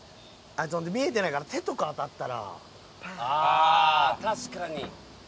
見えてないから手とか当たったら。